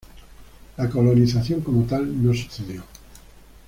La colonización como tal no sucedió.